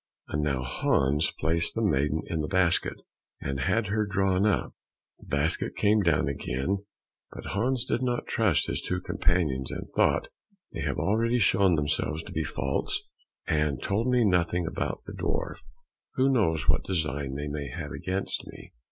And now Hans placed the maiden in the basket and had her drawn up; the basket came down again, but Hans did not trust his two companions, and thought, "They have already shown themselves to be false, and told me nothing about the dwarf; who knows what design they may have against me?"